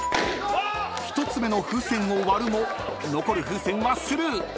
［１つ目の風船を割るも残る風船はスルー］